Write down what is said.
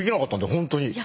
本当に。